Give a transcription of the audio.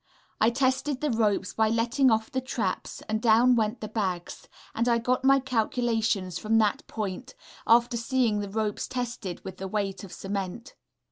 I tested the ropes by letting off the traps, and down went the bags, and I got my calculations from that point, after seeing the ropes tested with the weight of cement.